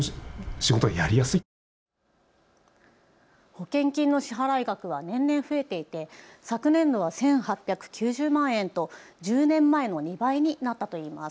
保険金の支払額は年々増えていて昨年度は１８９０万円と１０年前の２倍になったといいます。